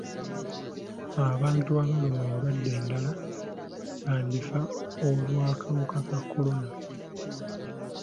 Abantu abalumwa endwadde endala bandifa olw'akawuka ka kolona.